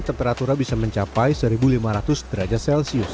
temperatura bisa mencapai seribu lima ratus derajat celcius